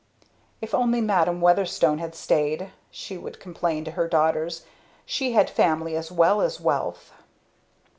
"If only Madam Weatherstone had stayed!" she would complain to her daughters. "She had Family as well as Wealth."